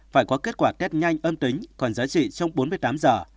phải có kết quả test nhanh âm tính còn giá trị trong bốn mươi tám giờ